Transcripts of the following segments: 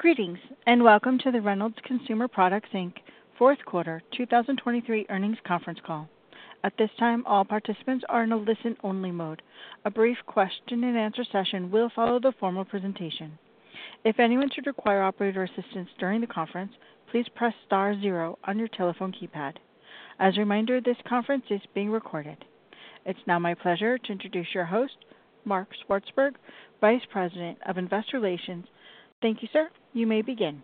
Greetings, and welcome to the Reynolds Consumer Products Inc. fourth quarter 2023 earnings conference call. At this time, all participants are in a listen-only mode. A brief question and answer session will follow the formal presentation. If anyone should require operator assistance during the conference, please press star zero on your telephone keypad. As a reminder, this conference is being recorded. It's now my pleasure to introduce your host, Mark Swartzberg, Vice President of Investor Relations. Thank you, sir. You may begin.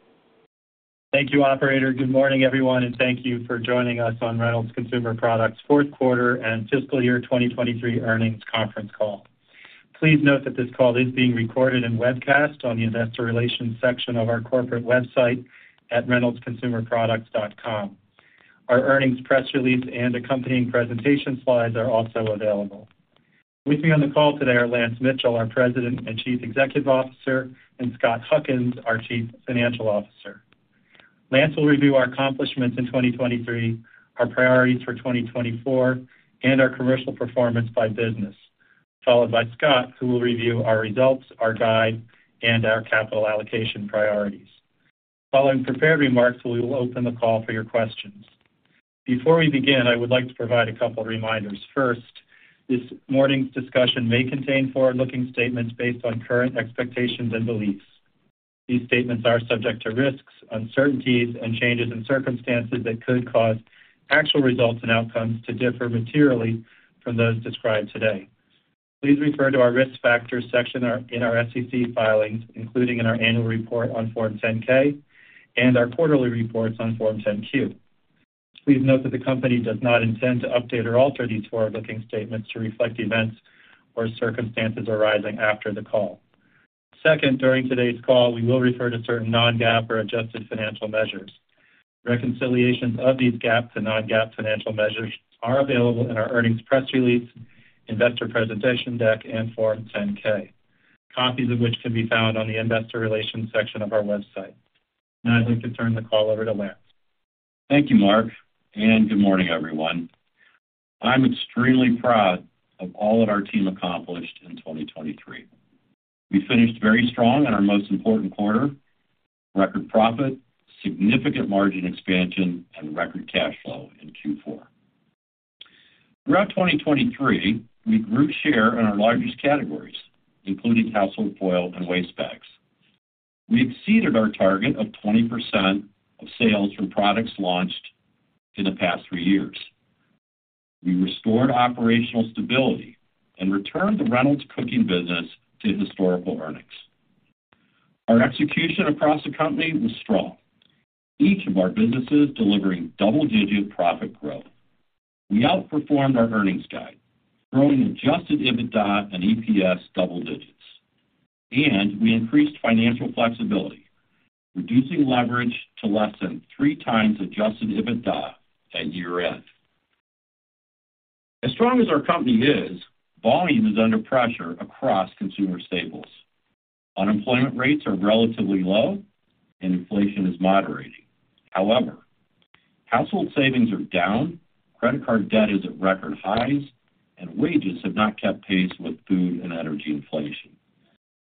Thank you, operator. Good morning, everyone, and thank you for joining us on Reynolds Consumer Products fourth quarter and fiscal year 2023 earnings conference call. Please note that this call is being recorded and webcast on the investor relations section of our corporate website at reynoldsconsumerproducts.com. Our earnings press release and accompanying presentation slides are also available. With me on the call today are Lance Mitchell, our President and Chief Executive Officer, and Scott Huckins, our Chief Financial Officer. Lance will review our accomplishments in 2023, our priorities for 2024, and our commercial performance by business, followed by Scott, who will review our results, our guide, and our capital allocation priorities. Following prepared remarks, we will open the call for your questions. Before we begin, I would like to provide a couple of reminders. First, this morning's discussion may contain forward-looking statements based on current expectations and beliefs. These statements are subject to risks, uncertainties, and changes in circumstances that could cause actual results and outcomes to differ materially from those described today. Please refer to our risk factors section in our SEC filings, including in our annual report on Form 10-K and our quarterly reports on Form 10-Q. Please note that the company does not intend to update or alter these forward-looking statements to reflect events or circumstances arising after the call. Second, during today's call, we will refer to certain non-GAAP or adjusted financial measures. Reconciliations of these GAAP to non-GAAP financial measures are available in our earnings press release, investor presentation deck, and Form 10-K, copies of which can be found on the investor relations section of our website. Now I'd like to turn the call over to Lance. Thank you, Mark, and good morning, everyone. I'm extremely proud of all that our team accomplished in 2023. We finished very strong in our most important quarter. Record profit, significant margin expansion, and record cash flow in Q4. Throughout 2023, we grew share in our largest categories, including household foil and waste bags. We exceeded our target of 20% of sales from products launched in the past three years. We restored operational stability and returned the Reynolds Cooking business to historical earnings. Our execution across the company was strong, each of our businesses delivering double-digit profit growth. We outperformed our earnings guide, growing adjusted EBITDA and EPS double digits, and we increased financial flexibility, reducing leverage to less than 3x adjusted EBITDA at year-end. As strong as our company is, volume is under pressure across consumer staples. Unemployment rates are relatively low and inflation is moderating. However, household savings are down, credit card debt is at record highs, and wages have not kept pace with food and energy inflation.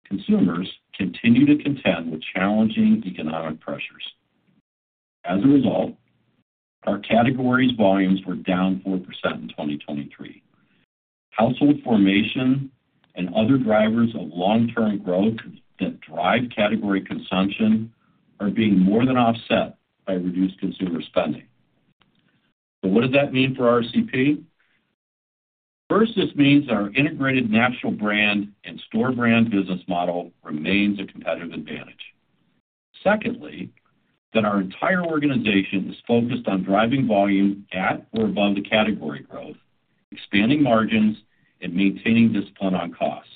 Consumers continue to contend with challenging economic pressures. As a result, our categories volumes were down 4% in 2023. Household formation and other drivers of long-term growth that drive category consumption are being more than offset by reduced consumer spending. So what does that mean for RCP? First, this means that our integrated national brand and store brand business model remains a competitive advantage. Secondly, that our entire organization is focused on driving volume at or above the category growth, expanding margins, and maintaining discipline on costs.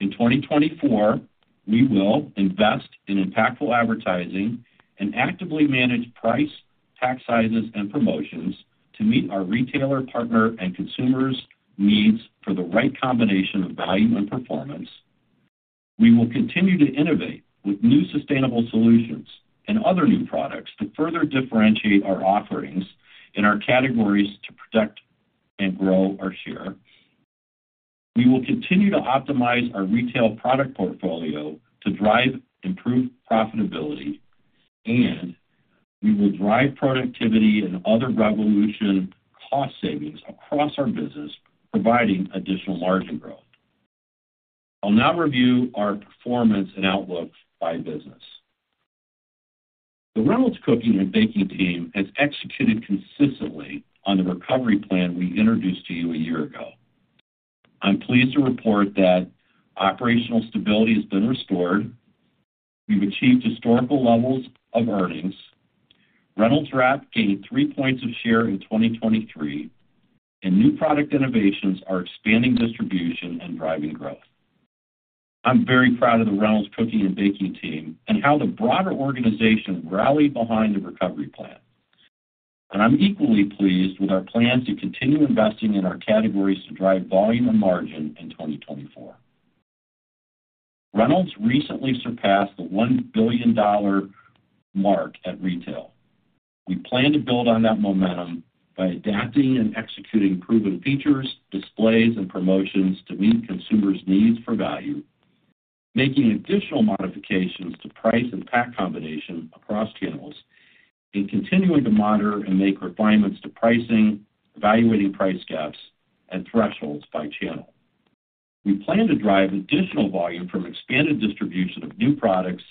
In 2024, we will invest in impactful advertising and actively manage price, pack sizes, and promotions to meet our retailer, partner, and consumers' needs for the right combination of value and performance. We will continue to innovate with new sustainable solutions and other new products to further differentiate our offerings in our categories to protect and grow our share. We will continue to optimize our retail product portfolio to drive improved profitability, and we will drive productivity and other Revolution cost savings across our business, providing additional margin growth. I'll now review our performance and outlook by business. The Reynolds Cooking and Baking team has executed consistently on the recovery plan we introduced to you a year ago. I'm pleased to report that operational stability has been restored. We've achieved historical levels of earnings. Reynolds Wrap gained three points of share in 2023, and new product innovations are expanding distribution and driving growth. I'm very proud of the Reynolds Cooking and Baking team and how the broader organization rallied behind the recovery plan, and I'm equally pleased with our plan to continue investing in our categories to drive volume and margin in 2024. Reynolds recently surpassed the $1 billion mark at retail. We plan to build on that momentum by adapting and executing proven features, displays, and promotions to meet consumers' needs for value, making additional modifications to price and pack combination across channels, and continuing to monitor and make refinements to pricing, evaluating price gaps and thresholds by channel. We plan to drive additional volume from expanded distribution of new products,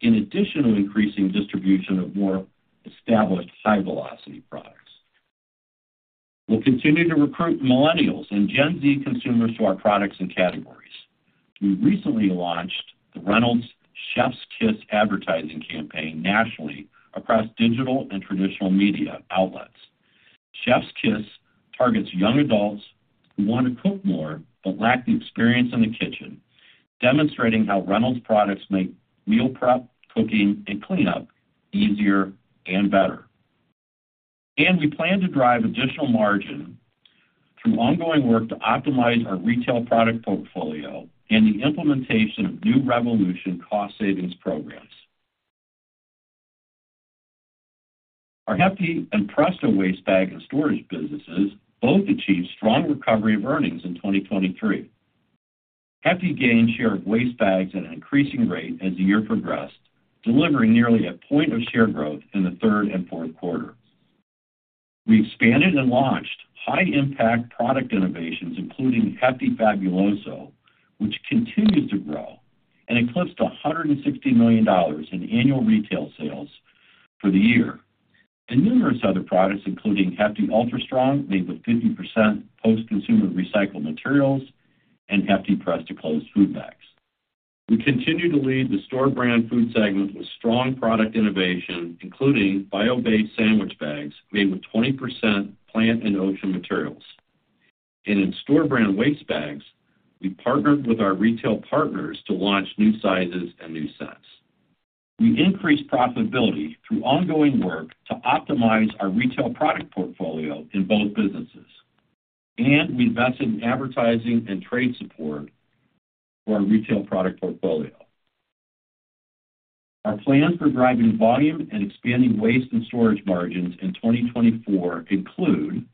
in addition to increasing distribution of more established high-velocity products. We'll continue to recruit Millennials and Gen Z consumers to our products and categories. We recently launched the Reynolds Chef's Kiss advertising campaign nationally across digital and traditional media outlets. Chef's Kiss targets young adults who want to cook more, but lack the experience in the kitchen, demonstrating how Reynolds products make meal prep, cooking, and cleanup easier and better. We plan to drive additional margin through ongoing work to optimize our retail product portfolio and the implementation of new Revolution cost savings programs. Our Hefty and Presto waste bag and storage businesses both achieved strong recovery of earnings in 2023. Hefty gained share of waste bags at an increasing rate as the year progressed, delivering nearly a point of share growth in the third and fourth quarter. We expanded and launched high-impact product innovations, including Hefty Fabuloso, which continues to grow and eclipsed $160 million in annual retail sales for the year, and numerous other products, including Hefty Ultra Strong, made with 50% post-consumer recycled materials, and Hefty Press to Close Food Bags. We continue to lead the store brand food segment with strong product innovation, including bio-based sandwich bags made with 20% plant and ocean materials. In store brand waste bags, we partnered with our retail partners to launch new sizes and new scents. We increased profitability through ongoing work to optimize our retail product portfolio in both businesses, and we invested in advertising and trade support for our retail product portfolio. Our plans for driving volume and expanding waste and storage margins in 2024 include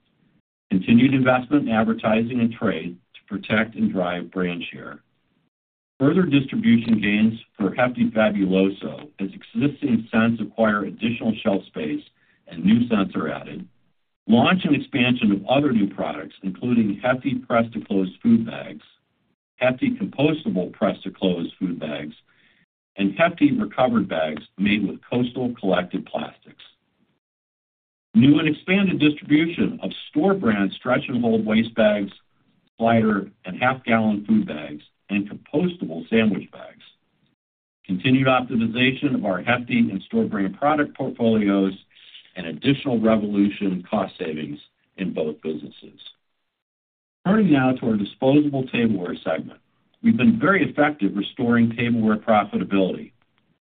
continued investment in advertising and trade to protect and drive brand share. Further distribution gains for Hefty Fabuloso as existing scents acquire additional shelf space and new scents are added. Launch and expansion of other new products, including Hefty Press to Close Food Bags, Hefty Compostable Press to Close Food Bags, and Hefty Recovered Bags made with coastal collected plastics. New and expanded distribution of store brand Stretch and Hold waste bags, slider, and half-gallon food bags, and compostable sandwich bags. Continued optimization of our Hefty and store brand product portfolios and additional Revolution cost savings in both businesses. Turning now to our disposable tableware segment. We've been very effective restoring tableware profitability.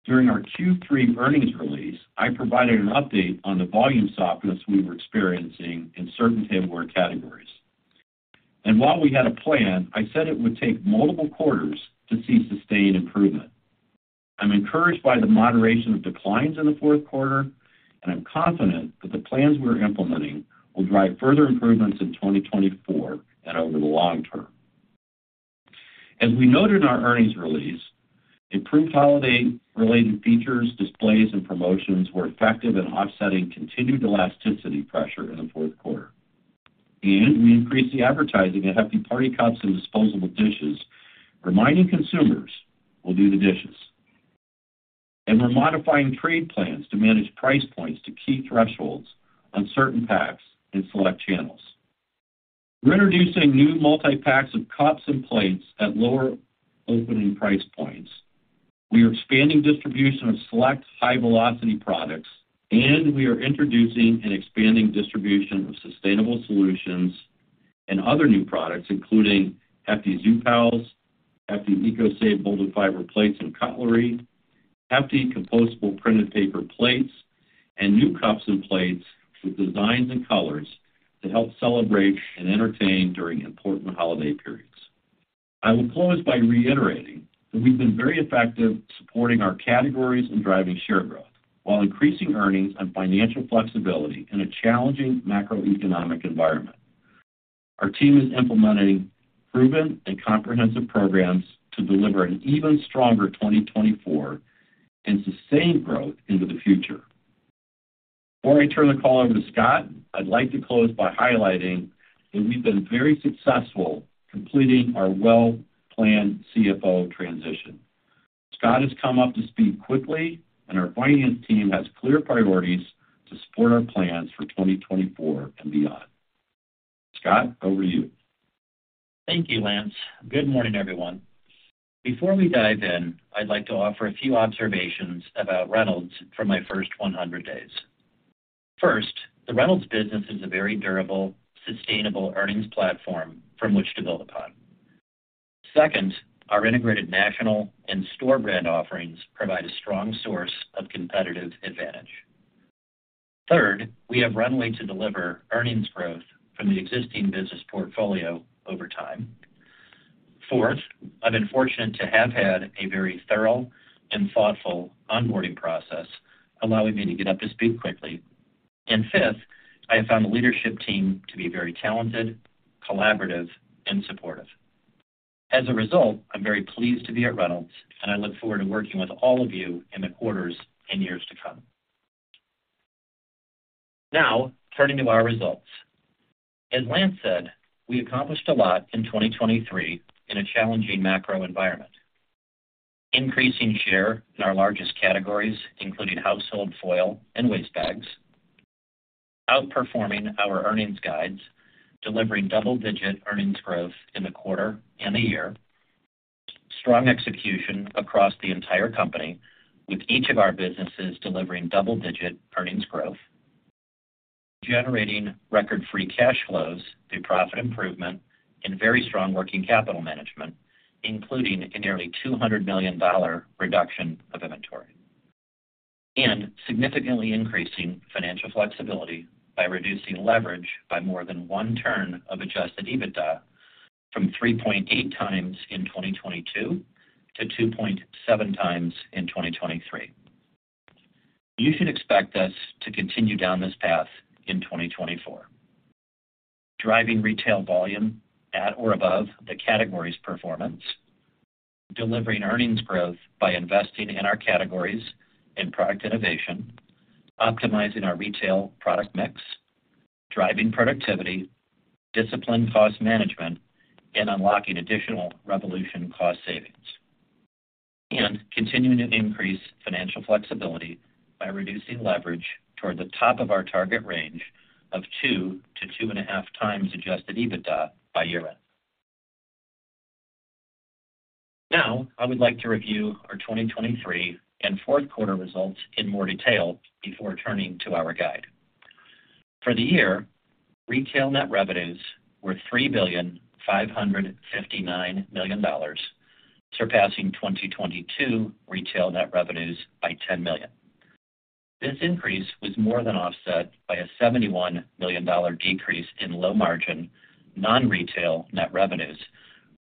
During our Q3 earnings release, I provided an update on the volume softness we were experiencing in certain tableware categories. While we had a plan, I said it would take multiple quarters to see sustained improvement. I'm encouraged by the moderation of declines in the fourth quarter, and I'm confident that the plans we're implementing will drive further improvements in 2024 and over the long term. As we noted in our earnings release, improved holiday-related features, displays, and promotions were effective in offsetting continued elasticity pressure in the fourth quarter. We increased the advertising of Hefty Party Cups and disposable dishes, reminding consumers, "We'll do the dishes." We're modifying trade plans to manage price points to key thresholds on certain packs in select channels. We're introducing new multi-packs of cups and plates at lower opening price points. We are expanding distribution of select high-velocity products, and we are introducing and expanding distribution of sustainable solutions and other new products, including Hefty Zoo Pals, Hefty EcoSave molded fiber plates and cutlery, Hefty Compostable printed paper plates, and new cups and plates with designs and colors to help celebrate and entertain during important holiday periods. I will close by reiterating that we've been very effective supporting our categories and driving share growth while increasing earnings and financial flexibility in a challenging macroeconomic environment. Our team is implementing proven and comprehensive programs to deliver an even stronger 2024 and sustained growth into the future. Before I turn the call over to Scott, I'd like to close by highlighting that we've been very successful completing our well-planned CFO transition. Scott has come up to speed quickly, and our finance team has clear priorities to support our plans for 2024 and beyond. Scott, over to you. Thank you, Lance. Good morning, everyone. Before we dive in, I'd like to offer a few observations about Reynolds from my first 100 days. First, the Reynolds business is a very durable, sustainable earnings platform from which to build upon. Second, our integrated national and store brand offerings provide a strong source of competitive advantage. Third, we have runway to deliver earnings growth from the existing business portfolio over time.... Fourth, I've been fortunate to have had a very thorough and thoughtful onboarding process, allowing me to get up to speed quickly. And fifth, I have found the leadership team to be very talented, collaborative, and supportive. As a result, I'm very pleased to be at Reynolds, and I look forward to working with all of you in the quarters and years to come. Now, turning to our results. As Lance said, we accomplished a lot in 2023 in a challenging macro environment: increasing share in our largest categories, including household foil and waste bags. Outperforming our earnings guides, delivering double-digit earnings growth in the quarter and the year. Strong execution across the entire company, with each of our businesses delivering double-digit earnings growth. Generating record free cash flows through profit improvement and very strong working capital management, including a nearly $200 million reduction of inventory. And significantly increasing financial flexibility by reducing leverage by more than one turn of Adjusted EBITDA from 3.8x in 2022 to 2.7x in 2023. You should expect us to continue down this path in 2024, driving retail volume at or above the categories performance, delivering earnings growth by investing in our categories in product innovation, optimizing our retail product mix, driving productivity, disciplined cost management, and unlocking additional Revolution cost savings. And continuing to increase financial flexibility by reducing leverage toward the top of our target range of 2-2.5x Adjusted EBITDA by year-end. Now, I would like to review our 2023 and fourth quarter results in more detail before turning to our guide. For the year, retail net revenues were $3.559 billion, surpassing 2022 retail net revenues by $10 million. This increase was more than offset by a $71 million decrease in low-margin, non-retail net revenues,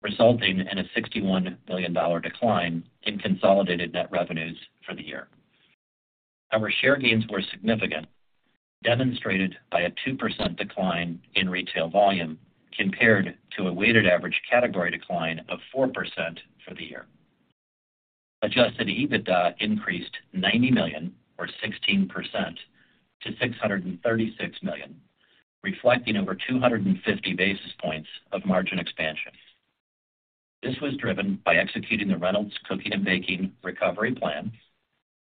resulting in a $61 million decline in consolidated net revenues for the year. Our share gains were significant, demonstrated by a 2% decline in retail volume compared to a weighted average category decline of 4% for the year. Adjusted EBITDA increased $90 million, or 16%, to $636 million, reflecting over 250 basis points of margin expansion. This was driven by executing the Reynolds Cooking and Baking recovery plan,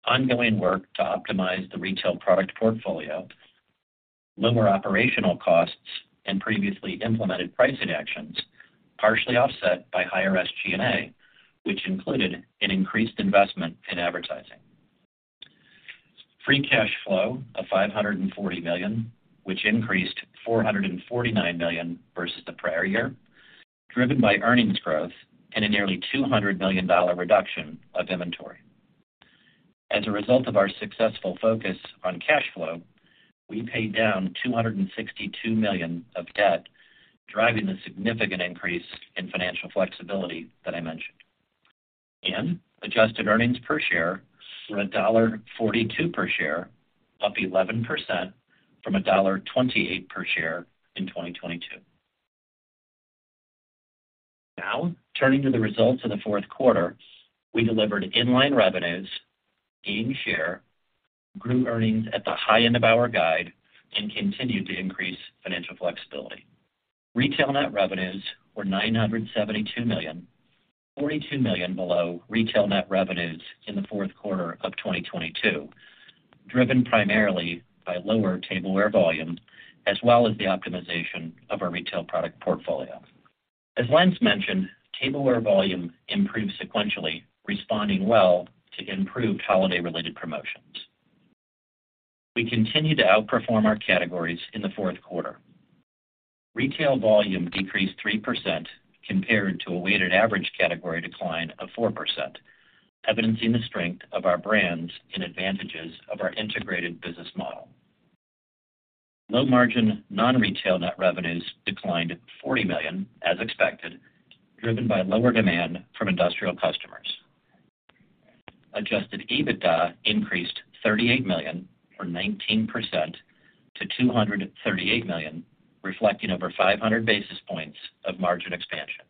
ongoing work to optimize the retail product portfolio, lower operational costs, and previously implemented pricing actions, partially offset by higher SG&A, which included an increased investment in advertising. Free cash flow of $540 million, which increased $449 million versus the prior year, driven by earnings growth and a nearly $200 million reduction of inventory. As a result of our successful focus on cash flow, we paid down $262 million of debt, driving the significant increase in financial flexibility that I mentioned. Adjusted earnings per share were $1.42 per share, up 11% from $1.28 per share in 2022. Now, turning to the results of the fourth quarter, we delivered in-line revenues, gained share, grew earnings at the high end of our guide, and continued to increase financial flexibility. Retail net revenues were $972 million, $42 million below retail net revenues in the fourth quarter of 2022, driven primarily by lower tableware volumes, as well as the optimization of our retail product portfolio. As Lance mentioned, tableware volume improved sequentially, responding well to improved holiday-related promotions. We continued to outperform our categories in the fourth quarter. Retail volume decreased 3% compared to a weighted average category decline of 4%, evidencing the strength of our brands and advantages of our integrated business model. Low-margin, non-retail net revenues declined $40 million, as expected, driven by lower demand from industrial customers. Adjusted EBITDA increased $38 million, or 19%, to $238 million, reflecting over 500 basis points of margin expansion.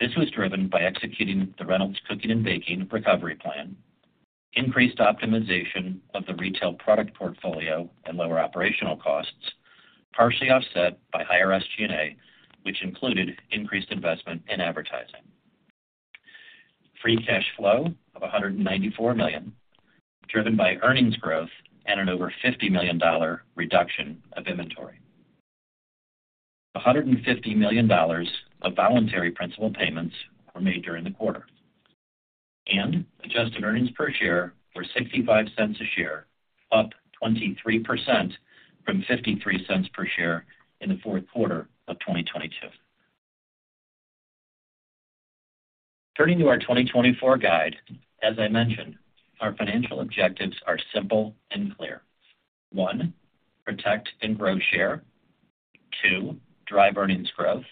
This was driven by executing the Reynolds Cooking and Baking recovery plan, increased optimization of the retail product portfolio and lower operational costs, partially offset by higher SG&A, which included increased investment in advertising. Free cash flow of $194 million, driven by earnings growth and an over $50 million reduction of inventory. $150 million of voluntary principal payments were made during the quarter, and adjusted earnings per share were $0.65 per share, up 23% from $0.53 per share in the fourth quarter of 2022.... Turning to our 2024 guide, as I mentioned, our financial objectives are simple and clear. One, protect and grow share. Two, drive earnings growth,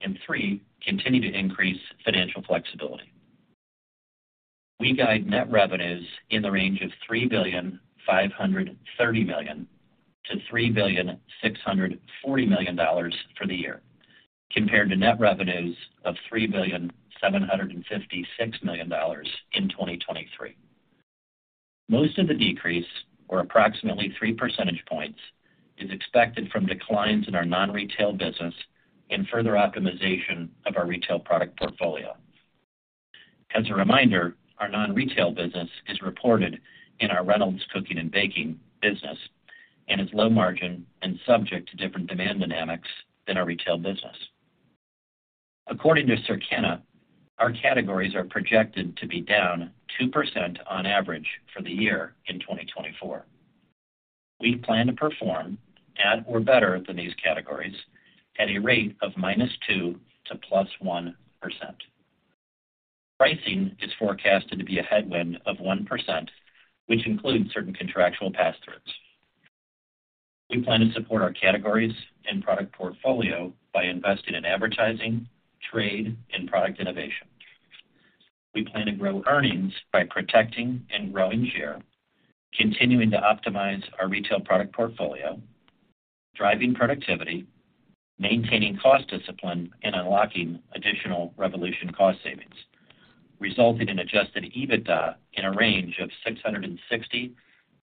and three, continue to increase financial flexibility. We guide net revenues in the range of $3.53 billion-$3.64 billion for the year, compared to net revenues of $3.756 billion in 2023. Most of the decrease, or approximately 3 percentage points, is expected from declines in our non-retail business and further optimization of our retail product portfolio. As a reminder, our non-retail business is reported in our Reynolds Cooking and Baking business and is low margin and subject to different demand dynamics than our retail business. According to Circana, our categories are projected to be down 2% on average for the year in 2024. We plan to perform at or better than these categories at a rate of -2% to +1%. Pricing is forecasted to be a headwind of 1%, which includes certain contractual pass-throughs. We plan to support our categories and product portfolio by investing in advertising, trade, and product innovation. We plan to grow earnings by protecting and growing share, continuing to optimize our retail product portfolio, driving productivity, maintaining cost discipline, and unlocking additional Revolution cost savings, resulting in Adjusted EBITDA in a range of $660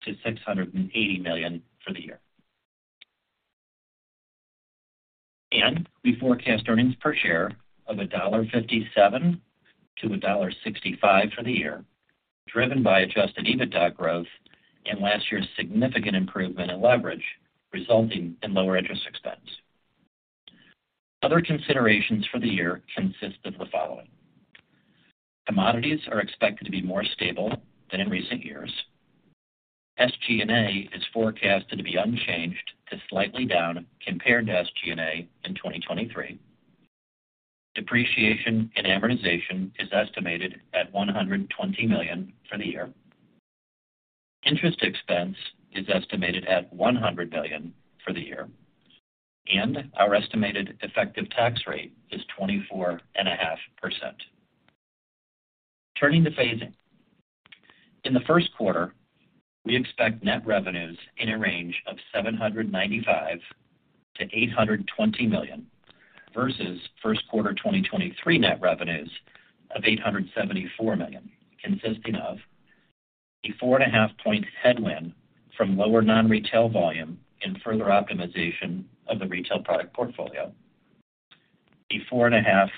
million-$680 million for the year. We forecast earnings per share of $1.57-$1.65 for the year, driven by Adjusted EBITDA growth and last year's significant improvement in leverage, resulting in lower interest expense. Other considerations for the year consist of the following. Commodities are expected to be more stable than in recent years. SG&A is forecasted to be unchanged to slightly down compared to SG&A in 2023. Depreciation and amortization is estimated at $120 million for the year. Interest expense is estimated at $100 million for the year, and our estimated effective tax rate is 24.5%. Turning to phasing. In the first quarter, we expect net revenues in a range of $795 million-$820 million, versus first quarter 2023 net revenues of $874 million, consisting of a 4.5-point headwind from lower non-retail volume and further optimization of the retail product portfolio. A 4.5-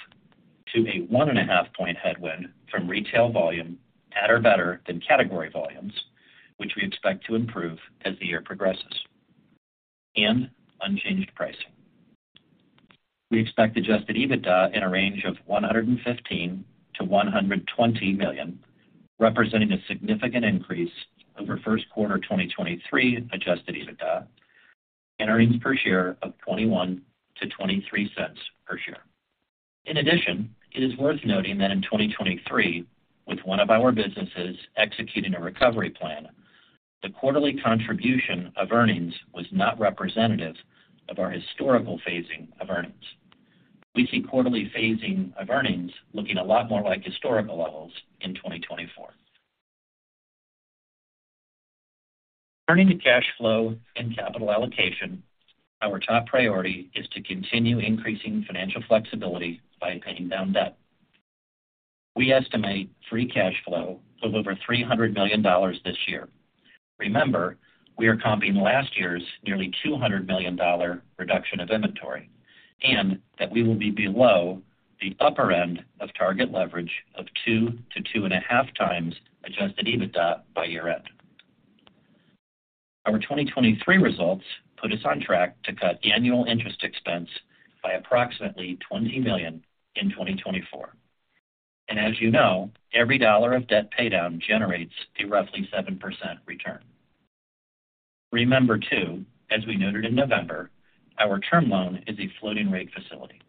to 1.5-point headwind from retail volume at or better than category volumes, which we expect to improve as the year progresses, and unchanged pricing. We expect Adjusted EBITDA in a range of $115 million-$120 million, representing a significant increase over first quarter 2023 Adjusted EBITDA and earnings per share of $0.21-$0.23 per share. In addition, it is worth noting that in 2023, with one of our businesses executing a recovery plan, the quarterly contribution of earnings was not representative of our historical phasing of earnings. We see quarterly phasing of earnings looking a lot more like historical levels in 2024. Turning to cash flow and capital allocation, our top priority is to continue increasing financial flexibility by paying down debt. We estimate Free Cash Flow of over $300 million this year. Remember, we are combining last year's nearly $200 million reduction of inventory, and that we will be below the upper end of target leverage of 2x-2.5x Adjusted EBITDA by year-end. Our 2023 results put us on track to cut annual interest expense by approximately $20 million in 2024. As you know, every dollar of debt paydown generates a roughly 7% return. Remember, too, as we noted in November, our term loan is a floating rate facility.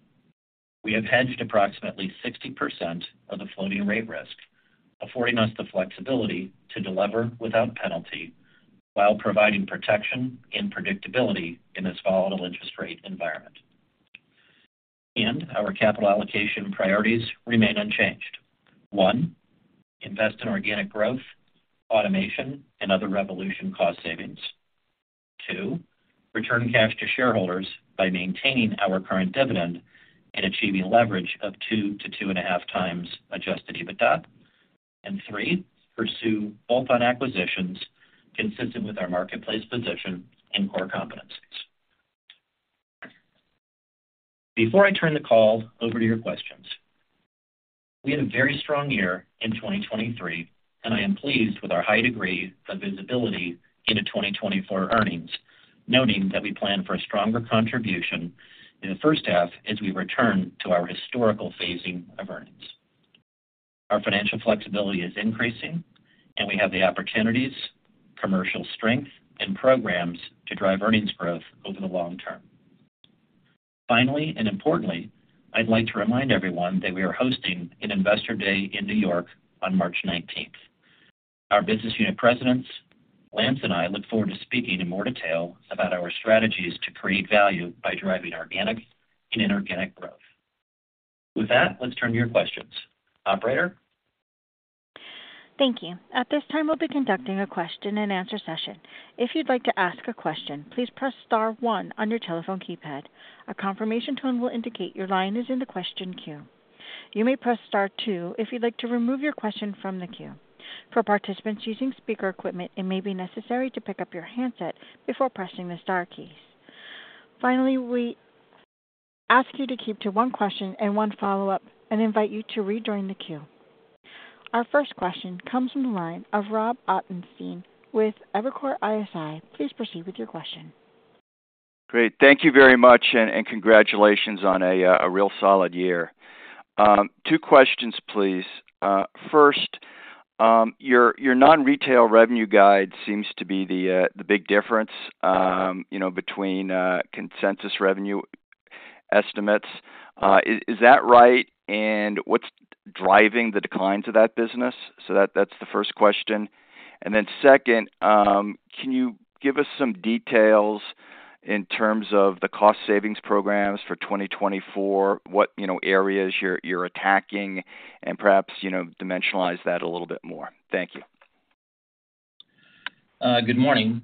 We have hedged approximately 60% of the floating rate risk, affording us the flexibility to delever without penalty while providing protection and predictability in this volatile interest rate environment. Our capital allocation priorities remain unchanged. One, invest in organic growth, automation, and other Revolution cost savings. Two, return cash to shareholders by maintaining our current dividend and achieving leverage of 2x to 2.5x Adjusted EBITDA. And three, pursue bolt-on acquisitions consistent with our marketplace position and core competencies. Before I turn the call over to your questions, we had a very strong year in 2023, and I am pleased with our high degree of visibility into 2024 earnings, noting that we plan for a stronger contribution in the first half as we return to our historical phasing of earnings. Our financial flexibility is increasing, and we have the opportunities, commercial strength, and programs to drive earnings growth over the long term. Finally, and importantly, I'd like to remind everyone that we are hosting an Investor Day in New York on March 19th. Our business unit presidents, Lance, and I look forward to speaking in more detail about our strategies to create value by driving organic and inorganic growth. With that, let's turn to your questions. Operator? Thank you. At this time, we'll be conducting a question-and-answer session. If you'd like to ask a question, please press star one on your telephone keypad. A confirmation tone will indicate your line is in the question queue. You may press star two if you'd like to remove your question from the queue. For participants using speaker equipment, it may be necessary to pick up your handset before pressing the star keys. Finally, we ask you to keep to one question and one follow-up and invite you to rejoin the queue. Our first question comes from the line of Rob Ottenstein with Evercore ISI. Please proceed with your question. Great. Thank you very much, and congratulations on a real solid year. Two questions, please. First, your non-retail revenue guide seems to be the big difference, you know, between consensus revenue estimates. Is that right? And what's driving the declines of that business? So that's the first question. And then second, can you give us some details in terms of the cost savings programs for 2024, what, you know, areas you're attacking, and perhaps, you know, dimensionalize that a little bit more? Thank you. Good morning,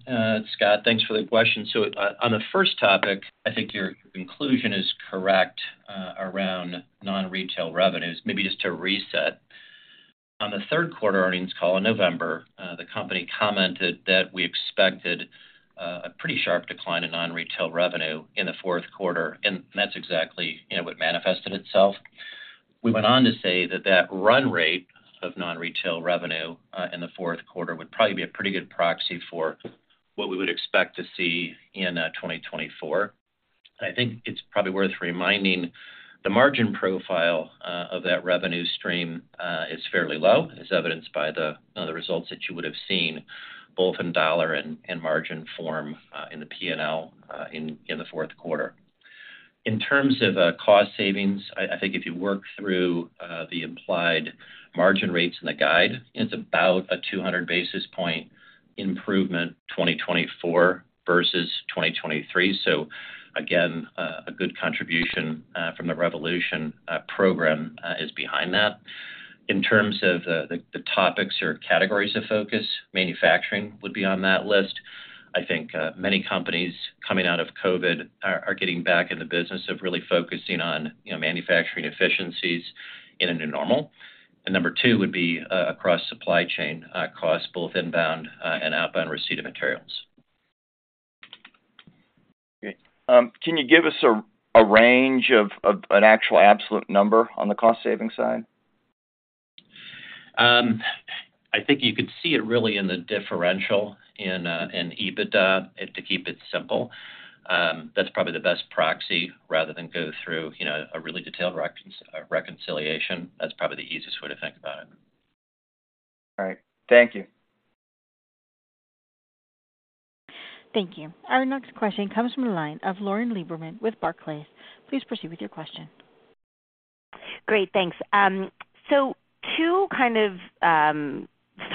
Scott. Thanks for the question. So, on the first topic, I think your conclusion is correct, around non-retail revenues. Maybe just to reset. On the third quarter earnings call in November, the company commented that we expected a pretty sharp decline in non-retail revenue in the fourth quarter, and that's exactly, you know, what manifested itself. We went on to say that that run rate of non-retail revenue in the fourth quarter would probably be a pretty good proxy for what we would expect to see in 2024. I think it's probably worth reminding, the margin profile of that revenue stream is fairly low, as evidenced by the results that you would have seen, both in dollar and margin form, in the P&L in the fourth quarter. In terms of cost savings, I think if you work through the implied margin rates in the guide, it's about a 200 basis point improvement, 2024 versus 2023. So again, a good contribution from the Revolution program is behind that. In terms of the topics or categories of focus, manufacturing would be on that list. I think many companies coming out of COVID are getting back in the business of really focusing on, you know, manufacturing efficiencies in a new normal. And number two would be across supply chain costs, both inbound and outbound receipt of materials. Great. Can you give us a range of an actual absolute number on the cost savings side? I think you could see it really in the differential in EBITDA, to keep it simple. That's probably the best proxy rather than go through, you know, a really detailed reconciliation. That's probably the easiest way to think about it. All right. Thank you. Thank you. Our next question comes from the line of Lauren Lieberman with Barclays. Please proceed with your question. Great, thanks. So two kind of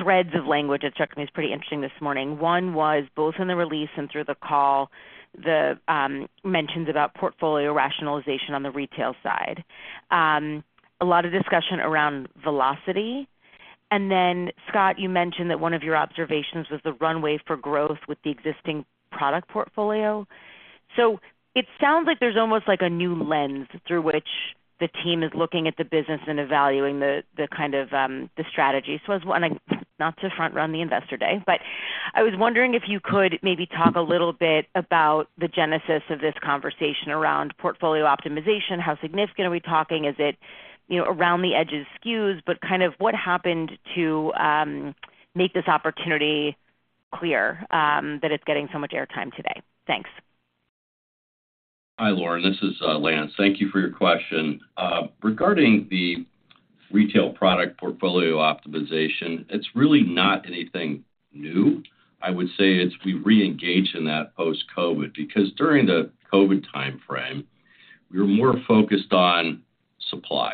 threads of language that struck me as pretty interesting this morning. One was both in the release and through the call, the mentions about portfolio rationalization on the retail side. A lot of discussion around velocity. And then, Scott, you mentioned that one of your observations was the runway for growth with the existing product portfolio. So it sounds like there's almost like a new lens through which the team is looking at the business and evaluating the kind of the strategy. So I was wondering, not to front-run the Investor Day, but I was wondering if you could maybe talk a little bit about the genesis of this conversation around portfolio optimization. How significant are we talking? Is it, you know, around the edges SKUs, but kind of what happened to make this opportunity clear, that it's getting so much airtime today? Thanks. Hi, Lauren, this is Lance. Thank you for your question. Regarding the retail product portfolio optimization, it's really not anything new. I would say it's we reengaged in that post-COVID, because during the COVID timeframe, we were more focused on supply,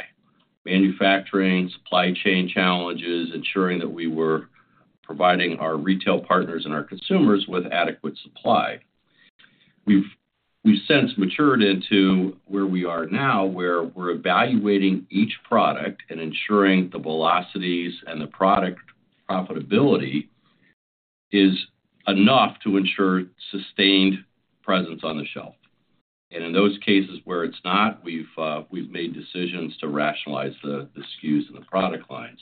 manufacturing, supply chain challenges, ensuring that we were providing our retail partners and our consumers with adequate supply. We've since matured into where we are now, where we're evaluating each product and ensuring the velocities and the product profitability is enough to ensure sustained presence on the shelf. And in those cases where it's not, we've made decisions to rationalize the SKUs and the product lines.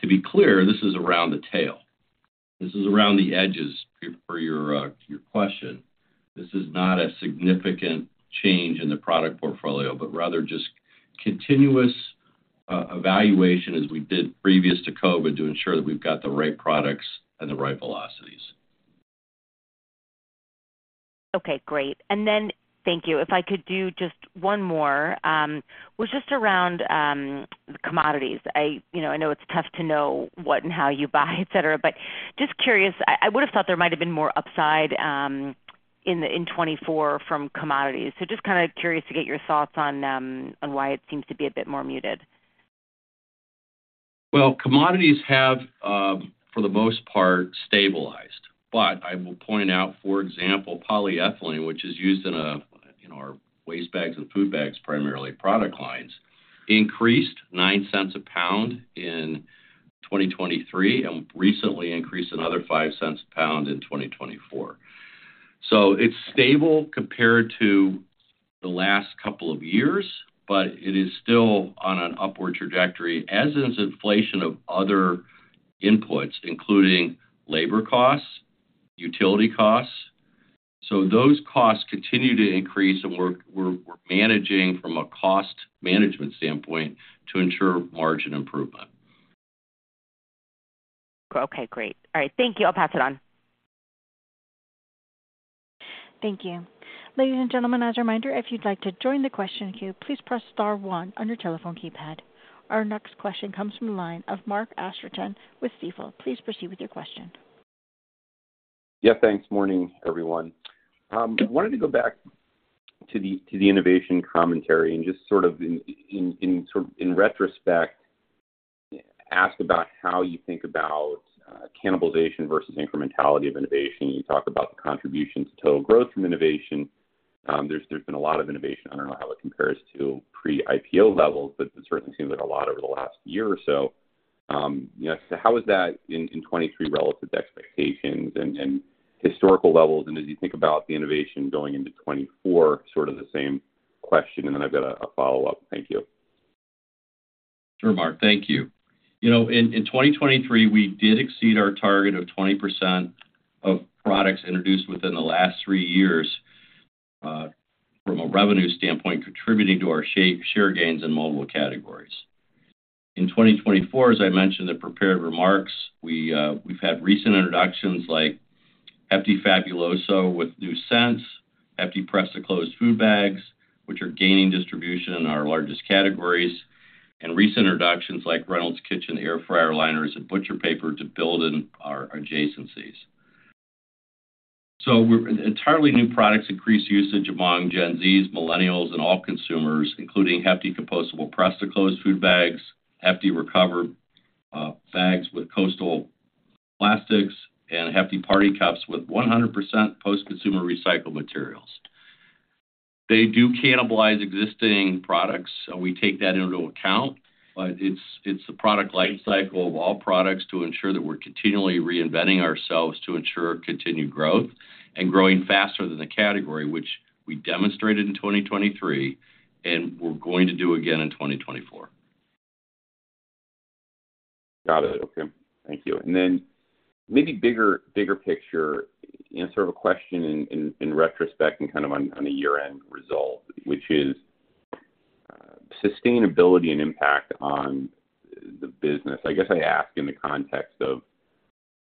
To be clear, this is around the tail. This is around the edges, per your question. This is not a significant change in the product portfolio, but rather just continuous evaluation, as we did previous to COVID, to ensure that we've got the right products and the right velocities. Okay, great. And then thank you. If I could do just one more, was just around the commodities. I, you know, I know it's tough to know what and how you buy, et cetera, but just curious, I, I would have thought there might have been more upside in the in 2024 from commodities. So just kinda curious to get your thoughts on on why it seems to be a bit more muted. Well, commodities have, for the most part, stabilized. But I will point out, for example, polyethylene, which is used in our waste bags and food bags, primarily product lines, increased $0.09 a pound in 2023 and recently increased another $0.05 a pound in 2024. So it's stable compared to the last couple of years, but it is still on an upward trajectory, as is inflation of other inputs, including labor costs, utility costs. So those costs continue to increase, and we're managing from a cost management standpoint to ensure margin improvement. Okay, great. All right, thank you. I'll pass it on. Thank you. Ladies and gentlemen, as a reminder, if you'd like to join the question queue, please press star one on your telephone keypad. Our next question comes from the line of Mark Astrachan with Stifel. Please proceed with your question. Yeah, thanks. Morning, everyone. I wanted to go back to the innovation commentary and just sort of in retrospect, ask about how you think about cannibalization versus incrementality of innovation. You talked about the contributions to total growth from innovation. There's been a lot of innovation. I don't know how it compares to pre-IPO levels, but it certainly seems like a lot over the last year or so. You know, so how is that in 2023 relative to expectations and historical levels? And as you think about the innovation going into 2024, sort of the same question, and then I've got a follow-up. Thank you. Sure, Mark. Thank you. You know, in 2023, we did exceed our target of 20% of products introduced within the last three years from a revenue standpoint, contributing to our share gains in multiple categories. In 2024, as I mentioned in the prepared remarks, we've had recent introductions like Hefty Fabuloso with new scents, Hefty Press to Close food bags, which are gaining distribution in our largest categories, and recent introductions like Reynolds Kitchens Air Fryer Liners and Butcher Paper to build in our adjacencies. So we're entirely new products increase usage among Gen Z, Millennials, and all consumers, including Hefty Compostable Press to Close food bags, Hefty Recovered bags with coastal plastics, and Hefty party cups with 100% post-consumer recycled materials. They do cannibalize existing products, and we take that into account, but it's, it's a product life cycle of all products to ensure that we're continually reinventing ourselves to ensure continued growth and growing faster than the category, which we demonstrated in 2023, and we're going to do again in 2024. Got it. Okay, thank you. And then maybe bigger picture, answer of a question in retrospect and kind of on a year-end result, which is sustainability and impact on the business. I guess I ask in the context of,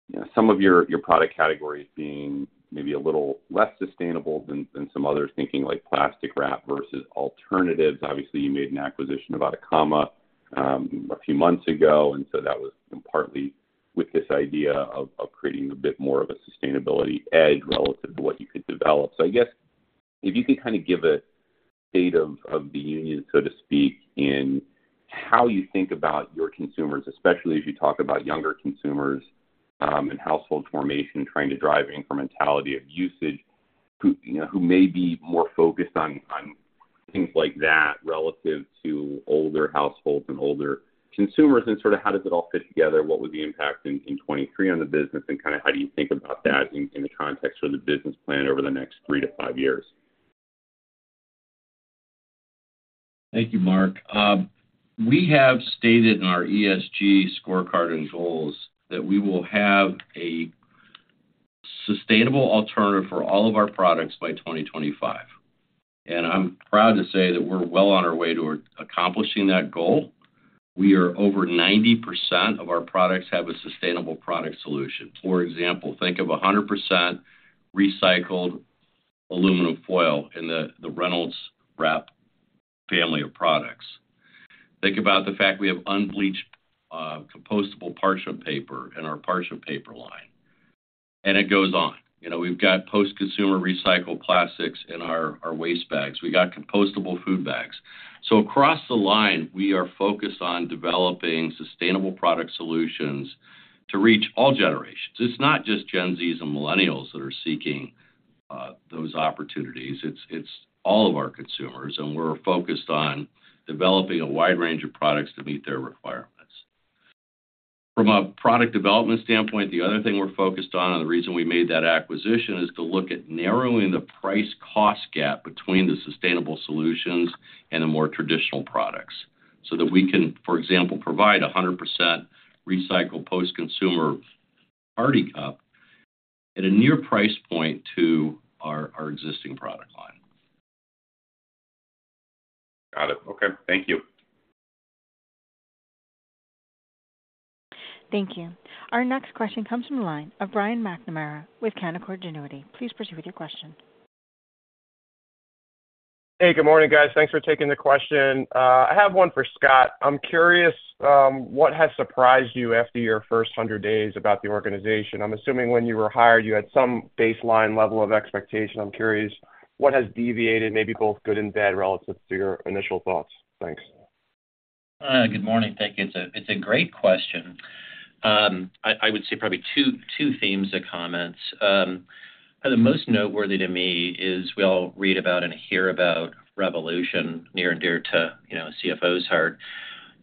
you know, some of your product categories being maybe a little less sustainable than some others, thinking like plastic wrap versus alternatives. Obviously, you made an acquisition about Atacama a few months ago, and so that was partly with this idea of creating a bit more of a sustainability edge relative to what you could develop. So I guess if you could kind of give a state of the union, so to speak, in how you think about your consumers, especially as you talk about younger consumers, and household formation, trying to drive incrementality of usage, who, you know, who may be more focused on things like that relative to older households and older consumers, and sort of how does it all fit together? What was the impact in 2023 on the business, and kind of how do you think about that in the context of the business plan over the next three to five years? Thank you, Mark. We have stated in our ESG scorecard and goals that we will have a sustainable alternative for all of our products by 2025, and I'm proud to say that we're well on our way to accomplishing that goal. We are over 90% of our products have a sustainable product solution. For example, think of 100% recycled aluminum foil in the, the Reynolds Wrap family of products. Think about the fact we have unbleached, compostable parchment paper in our parchment paper line, and it goes on. You know, we've got post-consumer recycled plastics in our, our waste bags. We've got compostable food bags. So across the line, we are focused on developing sustainable product solutions to reach all generations. It's not just Gen Zs and millennials that are seeking, those opportunities. It's all of our consumers, and we're focused on developing a wide range of products to meet their requirements. From a product development standpoint, the other thing we're focused on, and the reason we made that acquisition, is to look at narrowing the price cost gap between the sustainable solutions and the more traditional products so that we can, for example, provide 100% recycled post-consumer party cup at a near price point to our existing product line. Got it. Okay, thank you. Thank you. Our next question comes from the line of Brian McNamara with Canaccord Genuity. Please proceed with your question. Hey, good morning, guys. Thanks for taking the question. I have one for Scott. I'm curious what has surprised you after your first 100 days about the organization? I'm assuming when you were hired, you had some baseline level of expectation. I'm curious what has deviated, maybe both good and bad, relative to your initial thoughts? Thanks. Good morning. Thank you. It's a great question. I would say probably two themes or comments. The most noteworthy to me is we all read about and hear about Revolution near and dear to, you know, CFO's heart.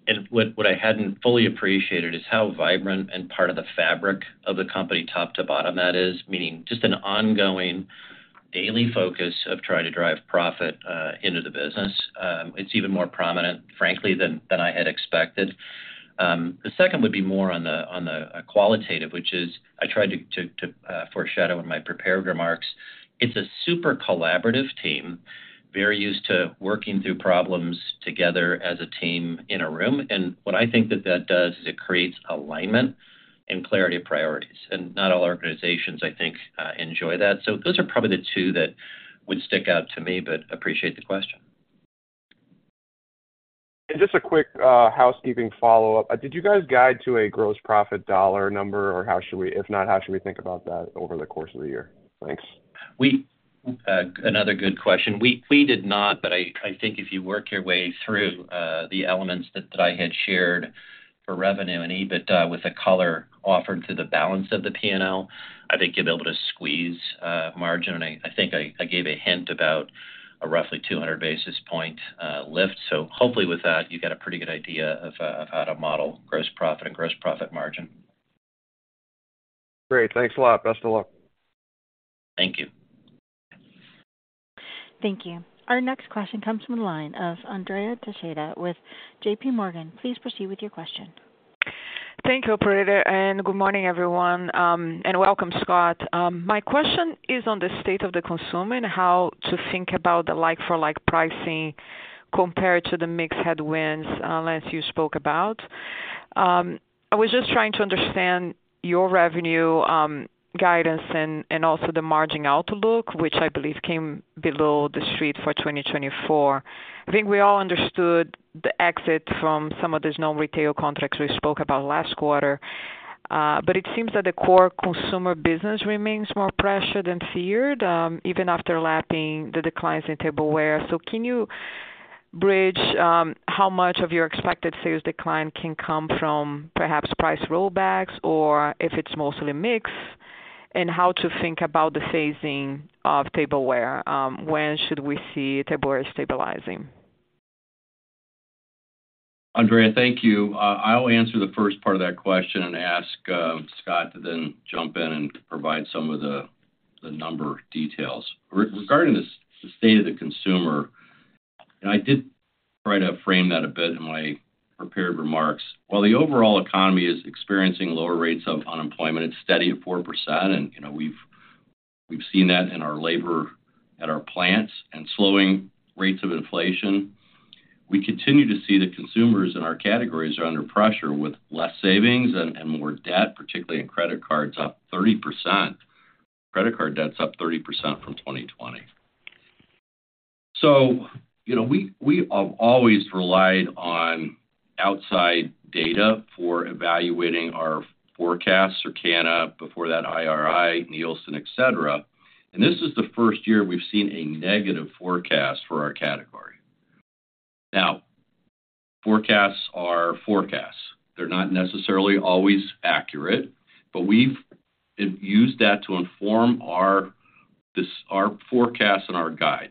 And what I hadn't fully appreciated is how vibrant and part of the fabric of the company, top to bottom that is, meaning just an ongoing daily focus of trying to drive profit into the business. It's even more prominent, frankly, than I had expected. The second would be more on the qualitative, which is I tried to foreshadow in my prepared remarks. It's a super collaborative team, very used to working through problems together as a team in a room. What I think that that does is it creates alignment and clarity of priorities, and not all organizations, I think, enjoy that. Those are probably the two that would stick out to me, but appreciate the question. Just a quick housekeeping follow-up. Did you guys guide to a gross profit dollar number, or how should we, if not, how should we think about that over the course of the year? Thanks. Another good question. We, we did not, but I, I think if you work your way through the elements that I had shared for revenue and EBITDA with the color offered to the balance of the P&L, I think you'll be able to squeeze margin. I, I think I, I gave a hint about a roughly 200 basis point lift. So hopefully with that, you get a pretty good idea of how to model gross profit and gross profit margin. Great. Thanks a lot. Best of luck. Thank you. Thank you. Our next question comes from the line of Andrea Teixeira with JPMorgan. Please proceed with your question. Thank you, operator, and good morning, everyone, and welcome, Scott. My question is on the state of the consumer and how to think about the like-for-like pricing compared to the mix headwinds, Lance, you spoke about. I was just trying to understand your revenue, guidance and, and also the margin outlook, which I believe came below the street for 2024. I think we all understood the exit from some of those non-retail contracts we spoke about last quarter, but it seems that the core consumer business remains more pressured than feared, even after lapping the declines in tableware. So can you bridge, how much of your expected sales decline can come from perhaps price rollbacks or if it's mostly mix, and how to think about the phasing of tableware? When should we see tableware stabilizing? Andrea, thank you. I'll answer the first part of that question and ask Scott to then jump in and provide some of the number details. Regarding the state of the consumer, and I did try to frame that a bit in my prepared remarks. While the overall economy is experiencing lower rates of unemployment, it's steady at 4%, and, you know, we've seen that in our labor at our plants and slowing rates of inflation. We continue to see the consumers in our categories are under pressure with less savings and more debt, particularly in credit cards, up 30%. Credit card debt's up 30% from 2020. So you know, we have always relied on outside data for evaluating our forecasts, or Circana, before that, IRI, Nielsen, et cetera. This is the first year we've seen a negative forecast for our category. Now, forecasts are forecasts. They're not necessarily always accurate, but we've used that to inform our forecasts and our guide.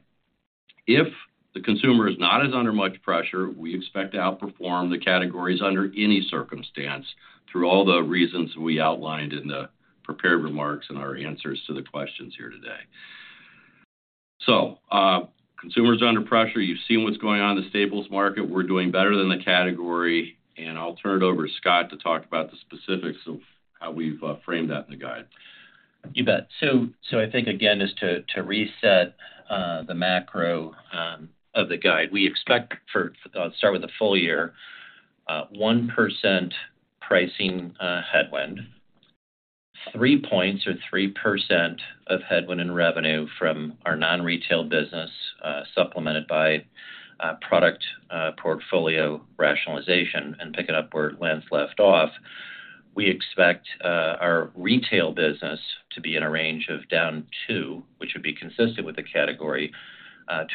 If the consumer is not as under much pressure, we expect to outperform the categories under any circumstance, through all the reasons we outlined in the prepared remarks and our answers to the questions here today. So, consumer is under pressure. You've seen what's going on in the staples market. We're doing better than the category, and I'll turn it over to Scott to talk about the specifics of how we've framed that in the guide. You bet. So I think again, just to reset the macro of the guide, we expect for, I'll start with the full year, 1% pricing headwind, 3 points or 3% headwind in revenue from our non-retail business, supplemented by product portfolio rationalization. Picking up where Lance left off, we expect our retail business to be in a range of -2%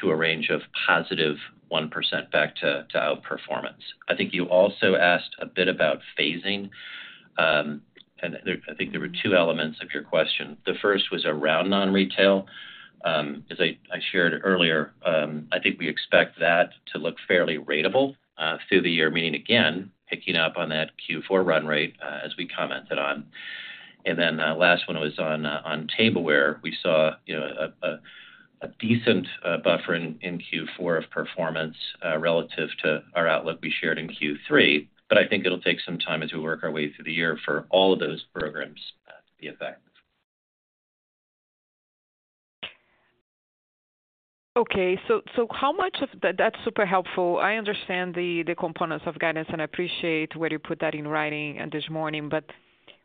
to +1% back to outperformance. I think you also asked a bit about phasing, and there, I think there were two elements of your question. The first was around non-retail. As I shared earlier, I think we expect that to look fairly ratable through the year, meaning again, picking up on that Q4 run rate as we commented on. And then last one was on tableware. We saw, you know, a decent buffer in Q4 of performance relative to our outlet we shared in Q3, but I think it'll take some time as we work our way through the year for all of those programs to be effective. Okay, so how much of... That, that's super helpful. I understand the components of guidance and appreciate where you put that in writing this morning, but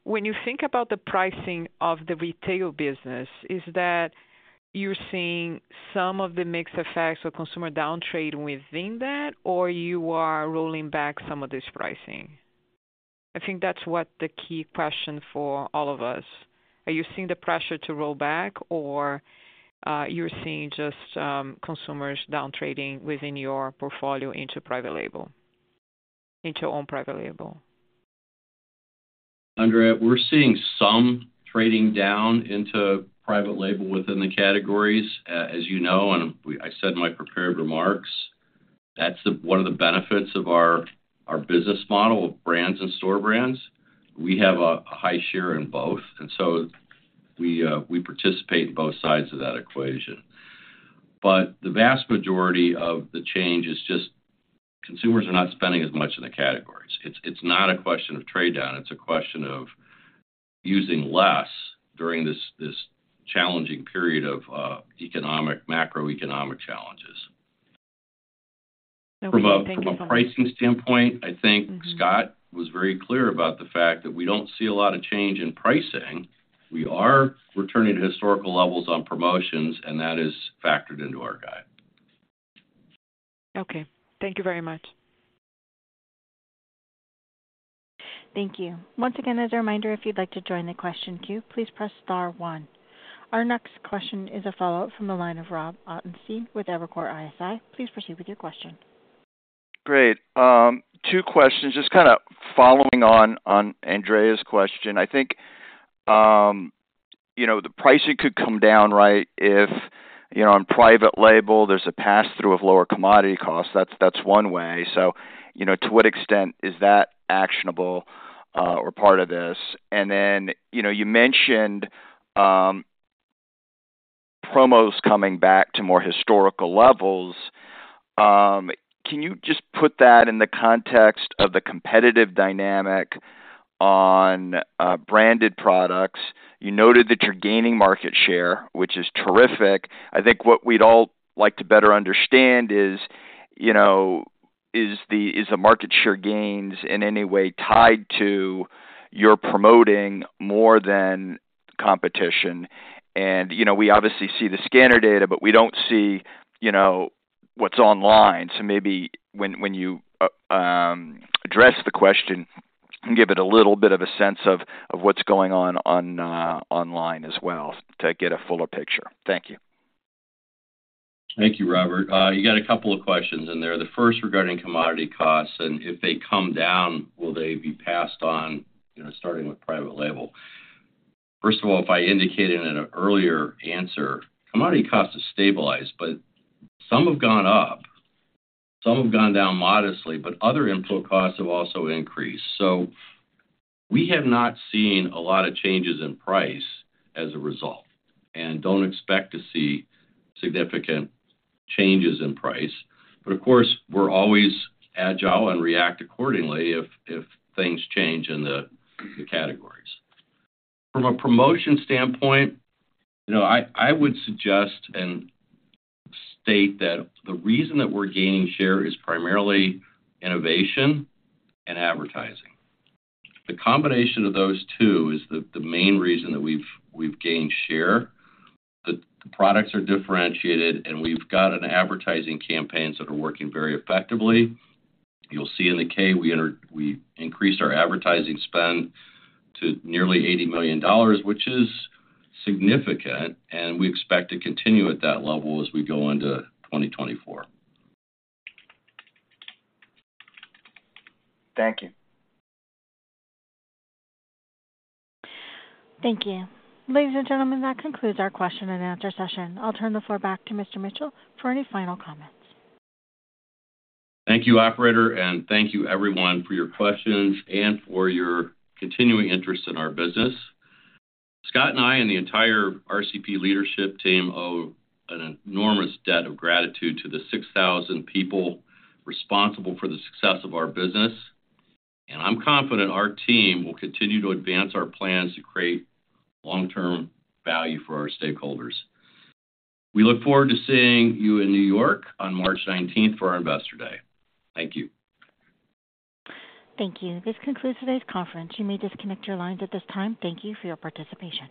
when you think about the pricing of the retail business, is that you're seeing some of the mixed effects or consumer downtrade within that, or you are rolling back some of this pricing? I think that's what the key question for all of us. Are you seeing the pressure to roll back, or you're seeing just consumers down trading within your portfolio into private label, into own private label? Andrea, we're seeing some trading down into private label within the categories. As you know, I said in my prepared remarks, that's one of the benefits of our business model, brands and store brands. We have a high share in both, and so we participate in both sides of that equation. But the vast majority of the change is just consumers are not spending as much in the categories. It's not a question of trade down, it's a question of using less during this challenging period of economic, macroeconomic challenges. From a pricing standpoint, I think Scott was very clear about the fact that we don't see a lot of change in pricing. We are returning to historical levels on promotions, and that is factored into our guide. Okay, thank you very much. Thank you. Once again, as a reminder, if you'd like to join the question queue, please press star one. Our next question is a follow-up from the line of Rob Ottenstein with Evercore ISI. Please proceed with your question. Great. Two questions. Just kinda following on Andrea's question. I think you know, the pricing could come down, right, if you know, on private label, there's a pass-through of lower commodity costs. That's one way. So, you know, to what extent is that actionable or part of this? And then, you know, you mentioned promos coming back to more historical levels. Can you just put that in the context of the competitive dynamic on branded products? You noted that you're gaining market share, which is terrific. I think what we'd all like to better understand is, you know, the market share gains in any way tied to your promoting more than competition? And, you know, we obviously see the scanner data, but we don't see, you know, what's online. So maybe when you address the question, give it a little bit of a sense of what's going on online as well, to get a fuller picture. Thank you. Thank you, Robert. You got a couple of questions in there. The first regarding commodity costs, and if they come down, will they be passed on, you know, starting with private label? First of all, if I indicated in an earlier answer, commodity costs are stabilized, but some have gone up, some have gone down modestly, but other input costs have also increased. So we have not seen a lot of changes in price as a result and don't expect to see significant changes in price. But of course, we're always agile and react accordingly if things change in the categories. From a promotion standpoint, you know, I would suggest and state that the reason that we're gaining share is primarily innovation and advertising. The combination of those two is the main reason that we've gained share. The products are differentiated, and we've got advertising campaigns that are working very effectively. You'll see in the K, we increased our advertising spend to nearly $80 million, which is significant, and we expect to continue at that level as we go into 2024. Thank you. Thank you. Ladies and gentlemen, that concludes our question-and-answer session. I'll turn the floor back to Mr. Mitchell for any final comments. Thank you, operator, and thank you everyone for your questions and for your continuing interest in our business. Scott and I and the entire RCP leadership team owe an enormous debt of gratitude to the 6,000 people responsible for the success of our business, and I'm confident our team will continue to advance our plans to create long-term value for our stakeholders. We look forward to seeing you in New York on March nineteenth for our Investor Day. Thank you. Thank you. This concludes today's conference. You may disconnect your lines at this time. Thank you for your participation.